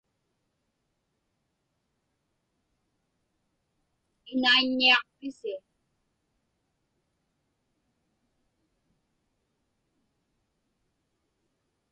Inaiññiaqpisi?